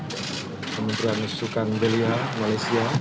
dan kementerian susukan belia malaysia